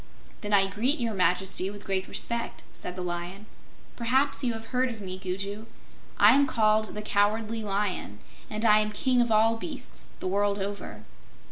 "Then I greet Your Majesty with great respect," said the Lion. "Perhaps you have heard of me, Gugu. I am called the 'Cowardly Lion,' and I am King of all Beasts, the world over."